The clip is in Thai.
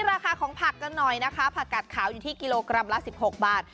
ราคาของผักกันหน่อยนะคะผักกัดขาวอยู่ที่กิโลกรัมละ๑๖บาท